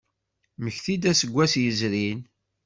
Mmekti-d aseggas yezrin.